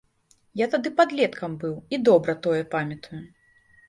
Я тады падлеткам быў і добра тое памятаю.